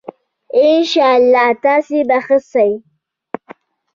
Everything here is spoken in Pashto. ان شاءاللّه تاسي به ښه سئ